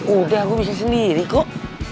udah aku bisa sendiri kok